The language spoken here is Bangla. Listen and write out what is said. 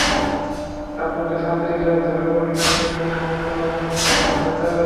তাঁর মতে, ছাত্রীরা ঝরে পড়লে লৈঙ্গিক সমতা অর্জন ম্লান হয়ে যাবে।